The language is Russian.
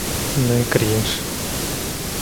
Ну и кринж!